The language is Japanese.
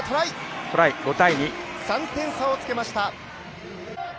３点差をつけました。